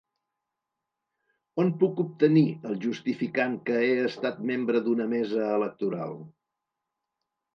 On puc obtenir el justificant que he estat membre d’una mesa electoral?